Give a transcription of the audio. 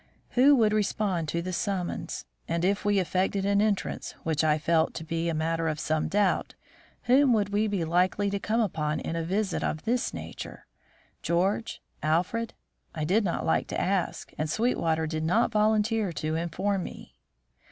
Who would respond to the summons; and if we effected an entrance which I felt to be a matter of some doubt whom would we be likely to come upon in a visit of this nature? George? Alfred? I did not like to ask, and Sweetwater did not volunteer to inform me.